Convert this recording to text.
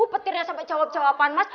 petirnya sampai jawab jawaban mas